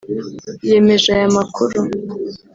yemeje aya makuru